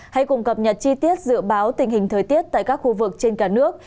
hãy cùng cập nhật chi tiết dự báo tình hình thời tiết tại các khu vực trên cả nước